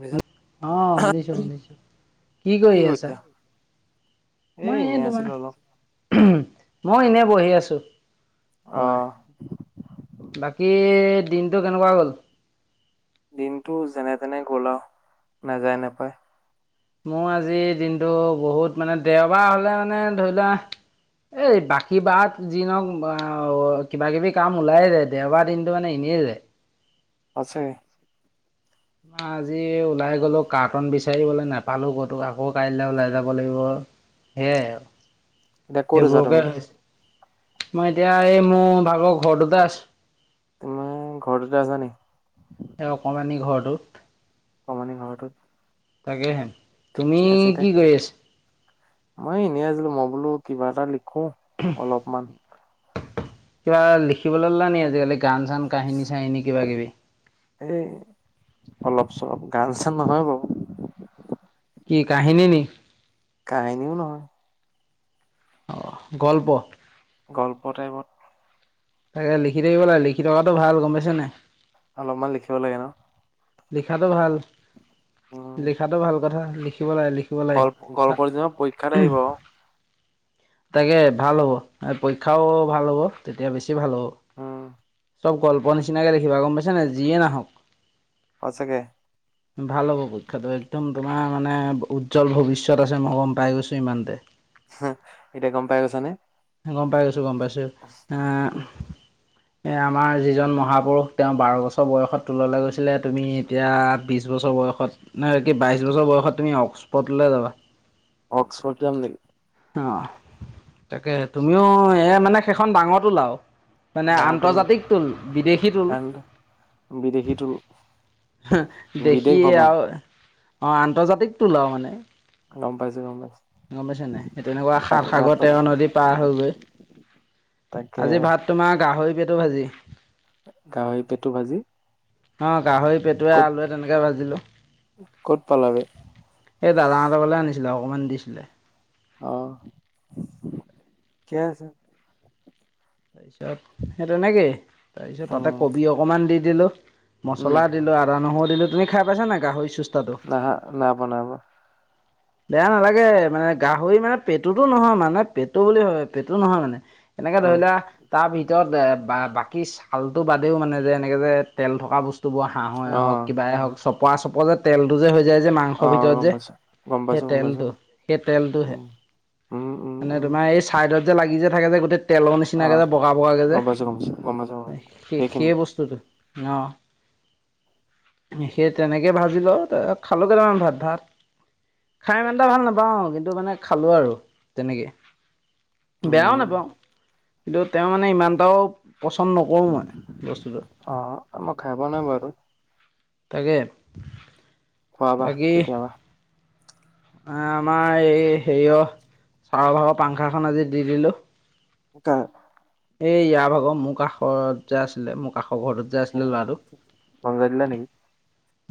পিছত অ শুনিছো শুনিছো কি কৰি আছা এ মই এনেই আছিলো অলপ তোমাৰ মই এনে বহি আছো অ তোমাৰ বাকী দিনটো কেনেকুৱা গ'ল দিনটো যেনে তেনে গ'ল আও নাযায় নেপায় মোৰ আজি দিনটো বহুত মানে দেওবাৰ হলে মানে ধৰি লোৱা এই বাকী বাৰত যি নহওক অ কিবা কিবি কাম ওলাই যায় দেওবাৰ দিনটো মানে এনেই যায় আছে আজি ওলাই গলো কাৰ্টোন বিচাৰিবলে নাপালো ক'তো আকৌ কাইলে ওলাই যাব লাগিব সেইয়াই এতিয়া ক'ত আছা সেইবোৰকে তুমি? হৈছে মই এতিয়া এই মোৰ ভাগৰ ঘৰটোতে আছো তুমি ঘৰটোতে আছা নেকি সেই অকণমানি ঘৰটোত অকমানি ঘৰটোত তাকেহে তুমি আছে এতিয়া কি কৰি আছা মই এনেই আছিলো মই বোলো কিবা এটা লিখো উম অলপমান কিবা লিখিবলে ললা নেকি আজিকালি গান চান কাহিনী চাহিনী কিবা কিবি এ অলপ চলপ গান চান নহয় বাৰু কি কাহিনী নেকি কাহিনীও নহয় অহ গল্প গল্প টাইপত তাকে লিখি থাকিব লাগে লিখি থকাটো ভাল গম পাইছে নাই অলপমান লিখিব লাগে লিখাটো ভাল উম লিখাটো ভাল কথা লিখিব লাগে লি গল্প গল্পৰ দিন পৰীক্ষাত আহিব তাকে ভাল হ'ব পৰীক্ষাও ভাল হ'ব তেতিয়া বেছি বেছি ভাল উম হ'ব চব গল্প নিচিনাকে লিখিবা গম পাইছানে যিয়ে নাহক। সঁচাকে [inaudible] ভাল হ'ব পৰীক্ষাটো একদম তোমাৰ মানে উজ্জ্বল ভৱিষ্যত আছে মই গম পাই গৈছোঁ ইমানতে এতিয়া গম পাই গৈছানে? গম পাই গৈছো গম পাইছো [inaudible] আ, এ আমাৰ যিজন মহাপুৰুষ তেওঁ বাৰ বছৰ বয়সত তোললৈ গৈছিলে তুমি এতিয়া বিছ বছৰ বয়সত নে কি বাইছ বছৰ বয়সত তুমি অক্সফৰ্ডলৈ যাবা? অক্সফোৰ্ড যাম নেকি? অ', তাকে তুমিও এ মানে সেইখন ডাঙৰ তোল আও মানে ডাঙৰ টোল নেকি আন্তৰ্জাতিক টোল বিদেশী টোল কাৰণ বিদেশীটো বিদেশ দেখি ভ্ৰমণ আৰু অ', আন্তৰ্জাতিক তোল আও মানে গম পাইছো গম পাইছো গম পাইছা নে সেই তেনেকুৱা সাত বাকী ভাত সাগৰ পানী তেৰ নদী পাৰ হৈগৈ, তাকে আজি ভাত তোমাৰ গাহৰি পেটু ভাজি গাহৰি পেটু ভাজি অ', গাহৰি পেটুৱে ক'ত আলুৱে তেনেকে ভাজিলো ক'ত পালাগে এ দাদা হঁতৰ ঘৰলে আনিছিলে অকণমান দিছিলে অ', থিকে আছে তাৰপিছত সেই তেনেকেই তাৰপিছত তাতে উম কবি অকমান দি দিলো উম মছলা দিলো আৰু আদা নহৰু দিলে তুমি খাই পাইছা নাই গাহৰি চুচ নাহা না বনাব [inaudible] বেয়া নালাগে মানে গাহৰি মানে পেটুটো নহয় মানে পেটু বুলি ভাবে পেটু নহয় মানে তেনেকে উম ধৰি লোৱা তাৰ ভিতৰত বাকী ছালটো বাদেও মানে যে এনেকে যে তেল থকা বস্তু [unintelligible] হাঁহহে অ হওক কিবাই হওঁক চপা চপা যে তেলটো যে হৈ যায় যে মাং অ মাংসৰ ভিতৰত গম যে পাইছো গম সেই পাইছো গম পাইছো তেলটো সেই তেলটো হে উম উম উম মানে উম তোমাৰ এই চাইডত যে লাগি যে থাকে যে গোটেই তেলৰ নিচি অ নিচিনাকে যে বগা বগাকে যে গম পাইছো গম পাইছো গম পাইছো গম পাইছো সেই সেইখিনি সেই বস্তুটো অ', সেই তেনেকে ভাজি ল' খালো কেইটামান ভাত - ভাত খাই ইমান এটা ভাল নাপাওঁ কিন্তু মানে খালোঁ আৰু তেনেকেই বেয়াও উম নাপাওঁ কিন্তু তেওঁ মানে ইমানটাও পচন্দ নকৰোঁ মই বস্তুটো অ', মই খাই পোৱা নাই বাৰু এইটো তাকে খোৱাবা কেতিয়াবা এ আমাৰ এই হেৰিয়ৰ চাৰৰ ভাগৰ পাংখাখন আজি দি দিলোঁ। [unintelligible] এই ইয়াৰ ভাগৰ মোৰ কাষত যে আছিলে মোৰ কাষৰ ঘৰটোত যে আছিলে ল'ৰাটো সমঝাই দিলা নি?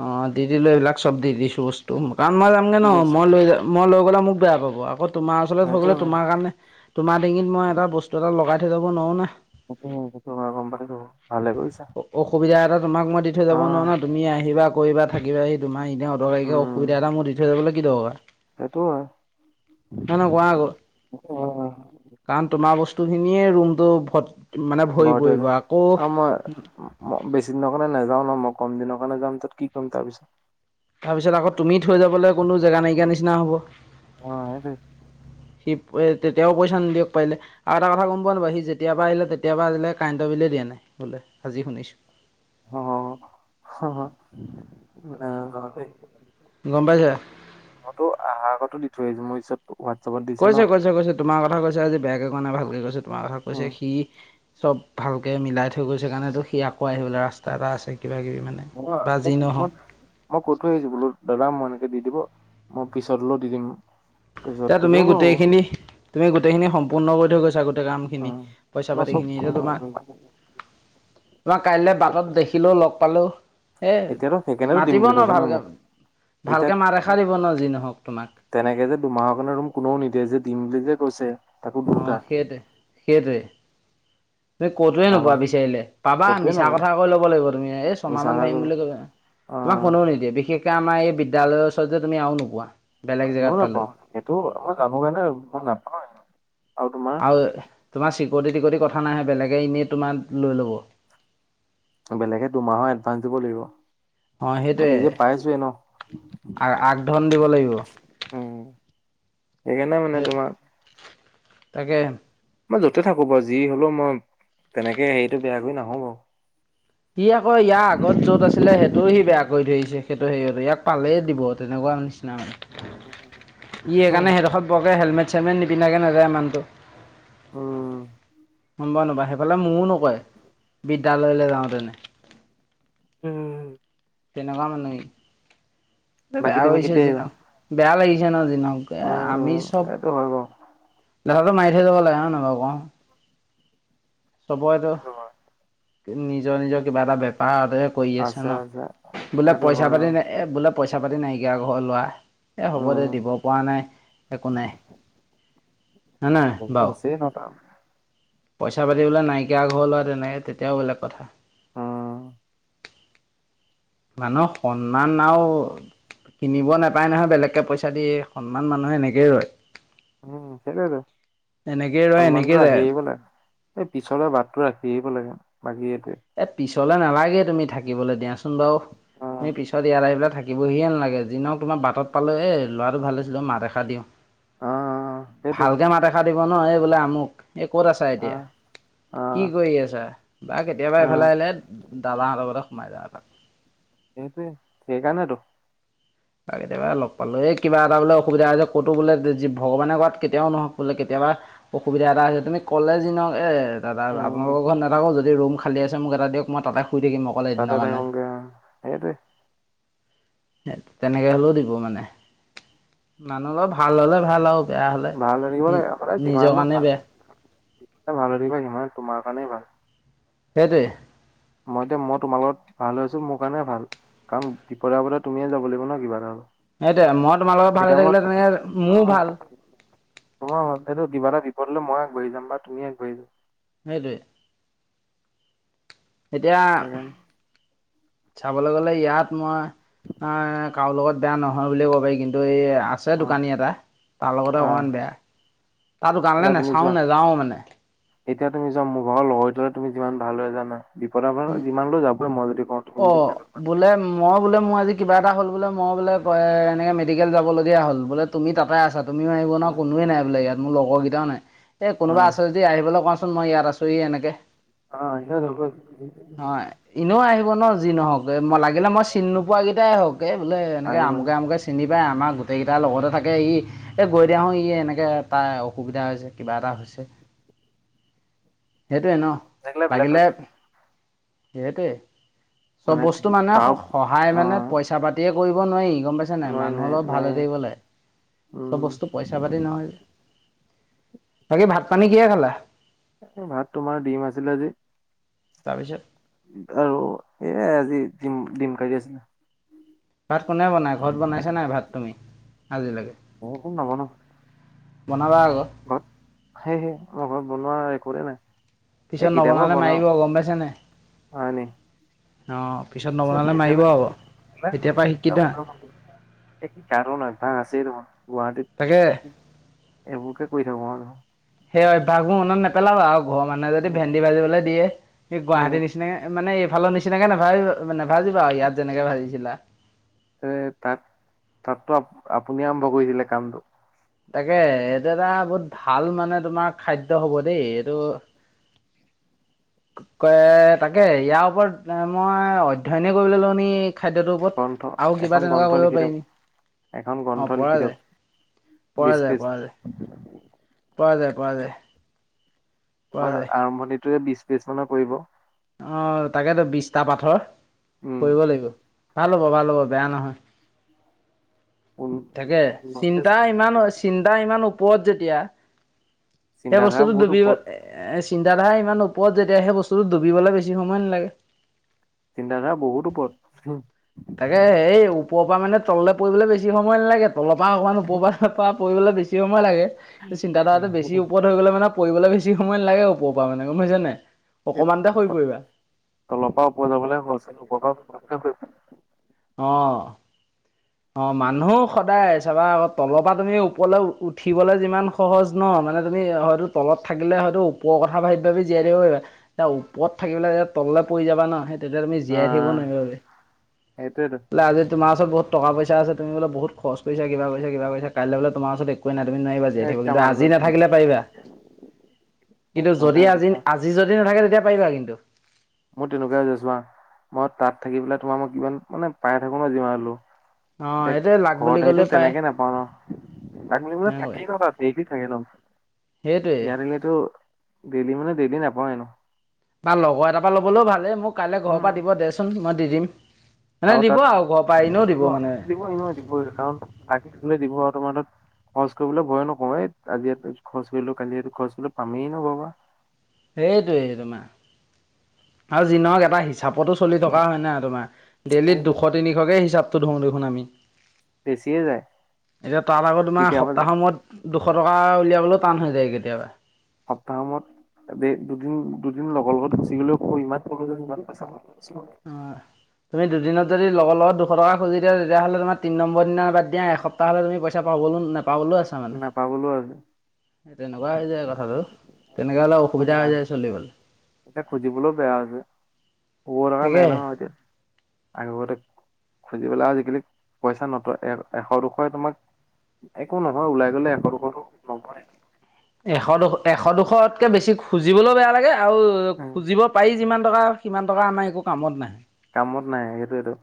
অঁ দি দিলো এইবিলাক চব দি দিছো বস্তু কাৰণ মই যামগে কি ন কৈছে মই লৈ যাম মই লৈ গ'লে মোক বেয়া পাব। আকৌ তোমাৰ ওচৰত হৈ গ'লে হয়তো তোমাৰ কাৰণে তোমাৰ ডিঙিত মই এটা বস্তু এটা লগাই থৈ ল'ব নোৱাৰো না। সেইটোৱে সেইটো কথা গম পাইছো। ভালে কৰিছা। অসুবিধা এটা তোমাক মই দি থৈ অ যাব নোৱাৰো নহয়। তুমি আহিবা কৰিবা থাকিবা আহি তোমাৰ এনে অদৰকাৰীকে উম অসুবিধা এটা মোৰ দি থৈ যাবলৈ কি দৰকাৰ। সেইটো হয়। না না কোৱা আক' সেইটো হয় কাৰণ তোমাৰ বস্তু খিনিয়ে ৰুমটো ভ মানে ভৰি বাৰু দিয়া দে পৰিব আকৌ আৰু মই বেছি দিনৰ কাৰণে নাযাও ন মই কম দিনৰ কাৰণে যাম তাত কি কৰিম তাৰপিছত তাৰপিছত আকৌ তুমি থৈ যাবলৈ কোনো জেগা নাইকিয়া উম, নিচিনা হব। অ সেইটোৱে সি তেতিয়াও পইচা নিদিয়ক পাৰিলে। আৰু এটা কথা গম পোৱা নোপোৱা সি যেতিয়াৰা আহিলে তেতিয়াৰ পৰা আজিলৈকে কাৰেণ্টৰ বিলে দিয়া নাই বোলে আজি শুনিছোঁ। অ হ, নাজানো বাৰু দেই গম পাইছা? মইতো আহাৰ আগতো দি থৈ আহিছো মোৰ পিছত হোৱাটছএপত দিছে ন কৈছে কৈছে কৈছে তোমাৰ কথা কৈছে আজি বেয়াকে কোৱা নাই ভালকৈ কৈছে তোমাৰ কথা উম, কৈছে সি। চব ভালকৈ মিলাই থৈ গৈছে কাৰণতো সি আকৌ আহিবলৈ ৰাস্তা এটা আছে কিবা কিবি মানে। অ বা ক ম যি [unintelligible] নহওক মই কৈ থৈ আহিছো বোলো দাদা মই এনেকে দি দিব মই পিছত হলেও দি দিম। পিছত এতিয়া কৈছে তুমি হ'ব হ'ব গোটেইখিনি তুমি গোটেইখিনি সম্পূৰ্ণ কৰি থৈ গৈছা গোটেই কামখিনি উম, পইচা মই চব পাতিখিনি এতিয়া তোমাক তোমাক কাইলৈ বাটত দেখিলো লগ পালো এই এতিয়াতো সেইকাৰণেতো দিম মাতিব বুলি ন কৈছে মোক ভালকৈ, এতিয়া ভালকৈ মাত এষাৰ দিব ন যি নহওক তোমাক। তেনেকে যে দুমাহৰ কাৰণে ৰুম কোনেও নিদিয়ে যে দিম বুলি যে কৈছে। তাকো অ দুটা সেইটোৱে, সেইটোৱে। তুমি ক'তোৱে ভাবা নোপোৱা বিচাৰিলে পাবা ক'তোৱে মিছা নাপাওঁ কথা কৈ ল'ব লাগিব তুমি এই ছমাহ মিছা মান কথা থাকিম কলো বুলি ক'বা। অ তোমাক কোনেও নিদিয়ে বিশেষকে আমাৰ এই বিদ্যালয়ৰ ওচৰত যে তুমি আৰু নোপোৱা। বেলেগ জেগাত ইনেও পালেও। নাপাও এইটো মই জানো কাৰণে মই নাপাও আৰু তোমাৰ তোমাৰ চিকিউৰিটি টিকৰিটি কথা নাই বেলেগে ইনেই তোমাৰ লৈ ল'ব। বেলেগে দুমাহৰ এডভাঞ্চ দিব লাগিব। অঁ মই নিজে পাইছোৱে ন সেইটোৱে, আৰ আগ ধন দিব লাগিব। উম সেইকাৰণে মানে সেই তোমাৰ তাকে মই যতে থাকো বাৰু যি হলেও মই তেনেকে হেৰিতটো বেয়া কৰি নাহো বাৰু। সি আকৌ ইয়াৰ আগত যত আছিলে সেইটোও সি বেয়া কৰি থৈ আহিছে। সেইটো হেৰীয়ত ইয়াক পালেই দিব তেনেকুৱা নিচিনা। [unintelligible] ই বাৰু সেইকাৰণে সেইডোখৰত বৰকে হেলমেট চেলমেট নিপিন্ধাকে নাযায় মানুহটো। উম গম পাও নাপাও, সেইফালে মোৰো নকৰে বিদ্যয়ালয়লৈ যাওঁতেনে। উম। তেনেকুৱা মানুহ সি। এ বাকী বেয়া তুমি লাগিছে কেতিয়া যি আহিবা নহওঁক, বেয়া লাগিছে ন যি নহওঁক। এ উম আমি উম চব এইটো হয় বাৰু লেঠাটো মাৰি থৈ যাব লাগে হয় নহয় বাৰু ক'? চবৰেতো সেইটো হয় নিজৰ নিজৰ কিবা এটা বেপাৰতে কৰি আছে ন। বোলে সেইটো পইচা হয় পাতি নাই আৰু এ বোলে পইচা পাতি নাইকিয়া ঘৰৰ লৰা। এ হ'ব দে, উম দিব পৰা নাই, একো নাই। হয় নহয় বহুতো বাৰু আছেই ন কাম? পইচা পাতি বোলে নাইকিয়া ঘৰৰ ল'ৰা, তেনেকে-তেতিয়াও বেলেগ কথা। উম মানুহৰ সন্মান আৰু কিনিব নাপায় নহয় বেলেগকে পইচা দি, সন্মান মানুহৰ এনেকেই ৰয়। উম, সেইটোৱেইটো, এনেকেই ৰয় সন্মানটো এনেকেই ৰাখি যায় থাকিব লাগে। এই পিছলে বাটটো ৰাখি আহিব লাগে, বাকী এইটোৱেই। এ পিছলে নালাগেই তুমি থাকিবলৈ দিয়াচোন বাৰু, অ তুমি পিছত ইয়াত আহি পেলাই থাক দিবহিয়েই নালাগে, যি নহওঁক তোমাৰ বাটত পালেও এই ল'ৰাটো ভাল আছিলে, মাত এষাৰ দিওঁ। অ অ সেইটোৱে ভালকে মাত এষাৰ দিব ন, এই বোলে আমুক, এই ক'ত আছা অ এতিয়া? অ কি কৰি আছা বা কেতিয়াবা অ এইফালে আহিলে দাদাহঁতৰ ঘৰতে সোমাই যাবা এপাক। সেইটোৱেই, সেইকাৰণেইটো। বা কেতিয়াবা লগ পালোঁ, এই কিবা এটা বোলে অসুবিধা হৈছে, ক'তো বোলে যি-ভগৱানে কৰাত কেতিয়াও নহওঁক, বোলে কেতিয়াবা অসুবিধা এটা হৈছে, তুমি ক'লে যিনহওঁক, এ দাদা উম আপালোকৰ ঘৰত নাথাকোঁ, যদি ৰুম খালি আছে মোক এটা দিয়ক, মই তাতে শুই থাকিম আৰু। তাতে থাকোঁগে আৰু, সেইটোৱেই। সে তেনেকে হ'লেও দিব মানে, মানুহৰ লগত ভাল হ'লে ভাল আৰু বেয়া হ'লে, ভাল হৈ থাকিব নি-নিজৰ কাৰণেই বেয়া যিমানে ভাল হৈ থাকিবা, সিমানে তোমাৰ কাৰণেই ভাল। সেইটোৱেই। মই এতিয়া-মই তোমাৰ লগত ভাল হৈ আছোঁ, মোৰ কাৰণেই ভাল। কাৰণ, বিপদে-আপদে তুমিয়েই যাব লাগিব ন কিবা এটা হ'লে। সেইটোৱেই, মই তোমাৰ লগত ভাল হৈ থাকিলে তেনেকেহ'লে মোৰো ভাল। অ', এইটো কিবা এটা বিপদ হ'লে মইয়ে আগবাঢ়ি যাম বা তুমিয়ে আগবাঢ়ি যাবা সেইটোৱেই। এতিয়া, সেইকাৰণে চাবলৈ গ'লে ইয়াত মই অ' কাৰো লগত বেয়া নহয় বুলিয়ে ক'ব পাৰি, কিন্তু এই আছে অ দোকানী এটা, তাৰ লগতে অ অকণমান বেয়া, তাৰ এতিয়া দোকানলৈ তুমি নাচাওঁ, যোৱা নেযাওঁ মানে। এতিয়া তুমি চোৱা, মোৰ ভাগৰ লগৰকেইটাৰ লগত তুমি যিমান ভাল হৈ আছা ন, বিপদে আপদে উম যিমান হ'লেও যাব। বোলে মই যদি কওঁ তুমি যদি অ', বোলে ম মই বোলে মোৰ আজি কিবা এটা হ'ল বোলে মই বোলে কয়, এনেকে মেডিকেল যাবলগীয়া হ'ল, বোলে তুমি তাতে আছা তুমিও আহিব নোৱাৰা, কোনোৱে নাই বোলে ইয়াত, মোৰ লগৰ কেইটাও নাই, এই অ কোনোবা আছে য যদি আহিবলৈ কোৱাচোন, মই ইয়াত আছোঁহি এনেকে। অ', সিহঁত নহয় [unintelligible] এনেও আহিব ন যি নহওঁক, লাগিলে মই চিনি নোপোৱাকেইটাই হওঁক, এই বোলে এনেকে আহিব আমুকে আমুকে চি চিনি পায়, আমাৰ গোটেইকেইটাৰ লগতে থাকে ই, এই গৈ দিয়াচোন ই এনেকে তাৰ অসুবিধা হৈছে, কিবা এটা হৈছে। সেইটোৱেই ন, লাগিলে, সেইটোৱেই। চব মানে বস্তু মানুহে তাৰ স-সহায় অ মানে পইচা পাতিৰে কৰিব নোৱাৰি গম পাইছা নাই, নোৱাৰি নোৱাৰি মানুহৰ লগত ভাল নোৱাৰি হৈ থাকিব লাগে, চব উম বস্তু পইচা পাতি নহয় যে। বাকী ভাত পানী কিহেৰে খালা? এই ভাত তোমাৰ দিম আছিলে আজি। তাৰপিছত? আৰু সেইয়াই আজি, ডিম-ডিম কাৰী আছিলে। ভাত কোনে বনাই, ঘৰত বনাইছে নাই ভাত তুমি আজিলৈকে? নৱনাও। বনাবা আক। ঘৰত সেয়েহে মই ঘৰত বনোৱা ৰেকদে নাই। এই পিছত কেতিয়াবা নবনালে বনাও মাৰিব গম পাইছা নাই। হয় নি অঁ পিছত নবনালে মাৰিব তেতিয়াহ'লে আক এতিয়াৰ পৰা শিকি থাক। এক কি কাৰণ অভ্যাস আছেই দেখোন গুৱাহাটীত- তাকে। এইবোৰকে কৰি থাকো আৰু। সেই অভ্যাসবোৰ মনত নেপেলাব আৰু ঘৰৰ মানুহে যদি ভেন্দি ভাজিবলৈ দিয়ে সি গুৱাহাটী নিচ- মানে এইফালৰ নিচিনাকে নাভাবিবা নেভাজিবা ইয়াত যেনেকে ভাজিছিলা। তাত তাতো আপুনিয়ে আৰম্ভ কৰিছিলে কামটো। তাকে, এইটো এটা বহুত ভাল মানে তোমাৰ খাদ্য হব দেই এইটো- কে তাকে ইয়াৰ ওপৰত এ মই অধ্যয়নে কৰিবলৈ লওঁ নি। খাদ্যটোৰ ওপৰত গ্ৰন্থ আৰু কিবা এখন তেনেকুৱা গ্ৰন্থ কৰিব লিখি পাৰি দিয়ক নেকি, এখন গ্ৰন্থ অঁ পৰা লিখি দিয়ক যায়। পৰা বিশ যায় পেজ পৰা যায়। পৰ যায় পৰা যায়। পৰা তোমাৰ যায় আৰম্ভণিটোৱে বিশ বিশি মানৰ পৰিব। অঁ তাকেতো বিছটা পাথৰ উম কৰিব লাগিব। ভাল হ'ব ভাল হ'ব বেয়া নহয়। উম। তাকে, চিন্তা ইমান হয়, চিন্তা ইমান ওপৰত যেতিয়া- সেই চিন্তাধাৰা বস্তুটো বহুত ডুবিব এ- ওপৰত এ চিন্তাধাৰা ইমান ওপৰত যেতিয়া সেই বস্তুটো ডুবিবলে বেছি সময় নালাগে। চিন্তাধাৰা বহুত ওপৰত। তাকে, এই ওপৰৰ পৰা মানে তললে পৰিবলে বেছি সময় নালাগে তলৰ পা অকমান ওপৰ পা পৱা- পৰিবলে বেছি সময় লাগে, ত চিন্তাধাৰাটো বেছি ওপৰত- গলে মানে পৰিবলৈ বেছি সময় নালাগে ওপৰ পৰা মানে, গম পাইছে নাই? এই অকমানতে হৈ পৰিবা। তলৰ পৰা ওপৰ যাবলে ওপৰ পৰা পতকে হৰি পৰে। অঁ' অঁ' মানুহ সদায় চাবা আক তল পা তুমি ওপৰলে উঠিবলৈ যিমান- সহজ ন। মানে তুমি হয়তো তলত থাকিলে হয়তো ওপৰৰ কথা ভাবি ভাবি জীয়াই থাকিব পাৰিবা। এতিয়া ওপৰত থাকিবলে যে তললে পৰি যাবা ন সে- তেতিয়া তুমি জীয়াই থাকিব নোৱাইবাগে সেইটোৱেতো বোলে আজি তোমাৰ ওচৰত বহুত- টকা পইচা আছে তুমি বোলে বহুত খৰচ কৰিছা কিবা কৰিছা কিবা কৰিছা কাইলে বোলে তোমাৰওচৰত একো- কোৱেই নাই তুমি নোৱাৰিবা জীয়াই থাকিব কিন্তু, আজি নাথাকিলে পাৰিবা কিন্তু যদি আজি আ- আজি যদি নাথাকে তেতিয়া পাৰিবা কিন্তু। মোৰ তেনেকুৱাই হৈ যায় ছোৱা। মই তাত থাকি পেলাই তোমাৰ মই কিমান মানে পাই থাকো ন যিমান হলো। অ তেক এইটোৱে লাক বুলি ঘৰত ক'লে আহিতো পায় তেনেকে নাপাওঁ ন তাক বুলি থাকি লম তাত দেইলি থাকি লম। সেইটোৱেই। ইয়াত দিলেতো ডেইলি মানে ডেইলি নাপাওঁ এনো। বা লগৰ এটাৰ পৰা ল'বলও ভালেই মোক কাইলে ঘৰৰ উম পৰা দিব দেচোন মই দি দিম। মানে আৰু দিব ঘৰৰ পৰা তাত এনেও দিব মানে দিব এনেও দিব কাৰণ বাকি থলে দিব আৰু তোমাৰ তাত- খৰচ কৰিবলৈ ভয় নকওঁ এই আজি এইটো খৰচ কৰিলো কালি এইটো খৰচ কৰিলো পামেই ন ঘৰপা। সেইটোৱেই তোমা আৰু জি নহক এটা হিছ- চাপতো চলি থকা হয় না তোমাৰ, ডেইলিত দুশ তিনিশকে হিচাপটো ধোৰো দেখোন আমি। বেছিয়ে যায় এতিয়া তাৰ ভাগ তোমা কেতিয়াবা সপ্তাহমোৱত- দুশ টকা উলিয়াবলৈও টান হৈ যায় কেতিয়াবা। সপ্তাহৰ মূৰত দে দুদিন, দুদিন লগৰ লগত যি গলেও ক ইমান পইচা ইমান পইচা পাম অ', তুমি দুদিনত যদি লগৰ লগত দুশ টকা খুজি দিয়া তেতিয়াহ'লে তোমাৰ তিনি নম্বৰ দিনা বাদ দিয়া এশ তাহলে তুমি পইচা পাবলে নাপাবলে আছে। নেপাবলৈও আছে। তেনেকুৱা হৈ যায় কথাটো তেনেকুৱা হ'লে অ, অসুবিধা হৈ যায় চলিবলৈ। এতিয়া খুজিবলৈও বেয়া আছে [unintelligible] তাকে নাই ন এতিয়া। আগতে খুজি পেলাই আজিকালি পইচা নতয় এ এশ দুশ তোমাক একো নহয় ওলাই গ'লে একো দুশটো নপৰে এশ দু এশ দুশতকে বেছি খুজিবলৈও বেয়া লাগে আৰু উম, খুজিব পাৰি যিমান টকা কিমান টকা আমাৰ একো কামত নাহে। কামত নাই সেইটোৱেটো।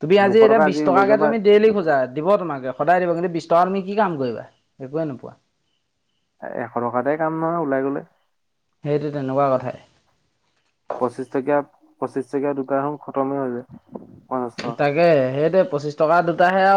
তুমি আজি এতিয়া বিশ টকাকে তুমি ডেইলি খোজা দিব তোমাকে সদায় দিব কিন্তু বিশছ টকা তুমি কি কাম কৰিবা একোৱে নোপোৱা এশ টকাতে কাম নহয় ওলাই গ'লে। সেইটো তেনেকুৱা কথাই। পঁচিশ টকীয়া পঁচিশ টকীয়া দোকানখন খতমেই হৈ যায়। পঞ্চাশ টকা তাকে সেই দে পঁচিছ টকা দুটাহে আৰু।